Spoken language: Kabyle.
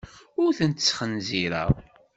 Ur tent-sxenzireɣ.